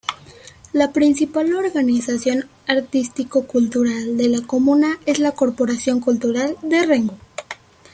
La principal organización artístico-cultural de la comuna es la Corporación Cultural de Rengo.